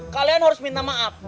kalian harus minta maaf